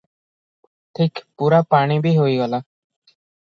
ଠିକ୍ ପୂରା ପାଣି ବି ହୋଇଗଲା ।